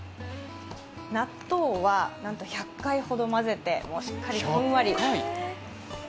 納豆は、なんと１００回ほど混ぜてしっかり、ふんわり。